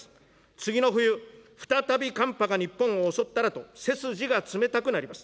次の冬、再び寒波が日本を襲ったらと、背筋が冷たくなります。